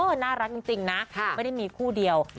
น่ารักจริงนะไม่ได้มีคู่เดียว